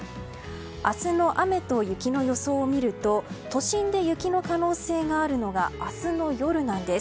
明日の雨と雪の予想を見ると都心で雪の可能性があるのが明日の夜なんです。